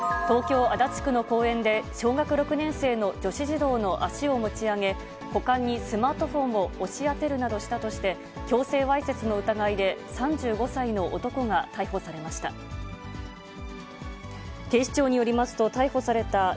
東京・足立区の公園で、小学６年生の女子児童の足を持ち上げ、股間にスマートフォンを押し当てるなどしたとして、強制わいせつの疑いで３５歳の男が逮捕されました。